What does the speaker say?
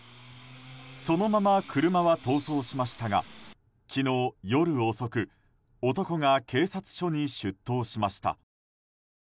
そのまま車は逃走しましたが昨日、夜遅く男が警察署に出頭しました。